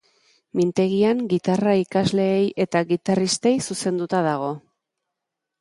Mintegian gitarra ikasleei eta gitarristei zuzenduta dago.